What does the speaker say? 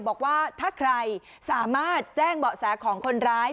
บอกว่าถ้าใครสามารถแจ้งเบาะแสของคนร้าย